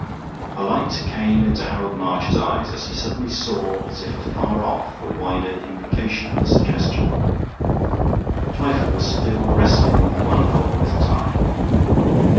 A light came into Harold March's eyes as he suddenly saw, as if afar off, the wider implication of the suggestion. But Twyford was still wrestling with one problem at a time.